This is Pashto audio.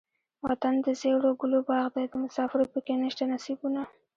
وطن دزيړو ګلو باغ دے دمسافرو پکښې نيشته نصيبونه